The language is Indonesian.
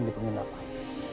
faktor yang keini